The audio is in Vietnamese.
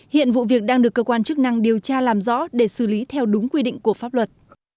hiện vụ việc đang được cơ quan chức năng điều tra làm rõ để xử lý theo đúng quy định của pháp luật